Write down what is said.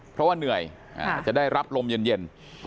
เพราะว่าเหนื่อยจะได้รับลมเย็น